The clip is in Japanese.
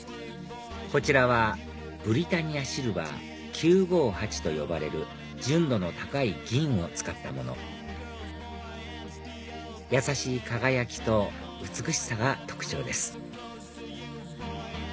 こちらはブリタニアシルバー９５８と呼ばれる純度の高い銀を使ったものやさしい輝きと美しさが特徴です